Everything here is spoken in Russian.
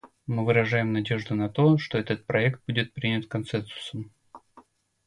Мы выражаем надежду на то, что этот проект будет принят консенсусом.